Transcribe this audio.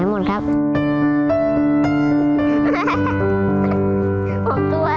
ผมเคยวาดรูปพี่ตูนด้วย